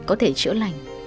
có thể chữa lành